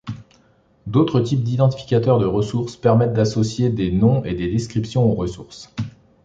D'autres types d'identificateurs de ressources permettent d'associer des noms et des descriptions aux ressources.